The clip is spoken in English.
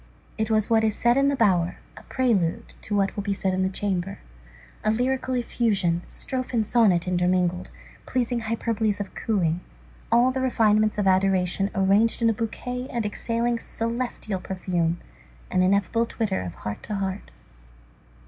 It was what is said in the bower, a prelude to what will be said in the chamber; a lyrical effusion, strophe and sonnet intermingled, pleasing hyperboles of cooing, all the refinements of adoration arranged in a bouquet and exhaling a celestial perfume, an ineffable twitter of heart to heart.